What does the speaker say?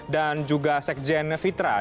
dan juga sekjen fitra